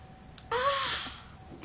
ああ。